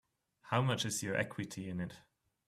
How much is your equity in it?